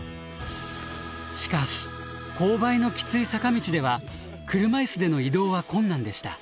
しかし勾配のきつい坂道では車いすでの移動は困難でした。